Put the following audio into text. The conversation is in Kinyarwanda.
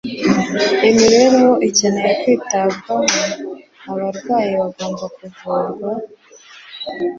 Imibereho ikeneye kwitabwaho; abarwayi bagomba kuvurwa;